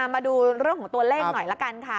มาดูเรื่องของตัวเลขหน่อยละกันค่ะ